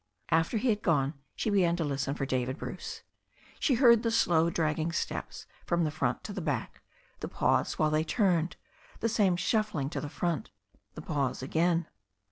After he had gone she began to listen for David Bruce. She heard the slow dragging steps from the front to the back, the pause while they turned, the same shuffling to the front, the pause again.